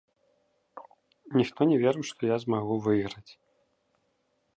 Ніхто не верыў, што я змагу выйграць.